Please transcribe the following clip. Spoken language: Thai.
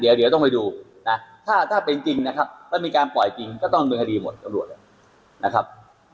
นี่ฮะเดี๋ยวต้องไปดูถ้าเป็นจริงนะครับมันมีการปล่อยจริงก็ต้องเบื้องคดีหมดกำรวจนะครับ